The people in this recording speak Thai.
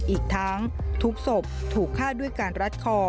อีกทั้งทุกศพถูกฆ่าด้วยการรัดคอ